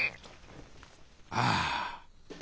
ああ。